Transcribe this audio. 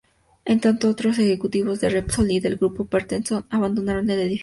En tanto, otros ejecutivos de Repsol y del Grupo Petersen abandonaron el edificio.